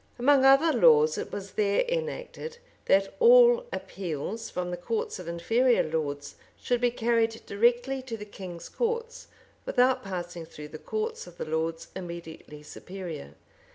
Among other laws, it was there enacted, that all appeals from the courts of inferior lords should be carried directly to the king's courts, without passing through the courts of the lords immediately superior.